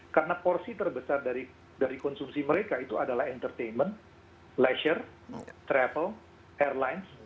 karena porsi terbesar dari konsumsi mereka itu adalah entertainment leisure travel airlines